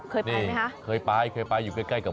เคยไปเหรอครับนี่เคยไปอยู่ใกล้กับ